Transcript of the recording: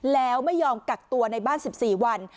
แล้วไม่ยอมกักตัวในบ้าน๑๔วัน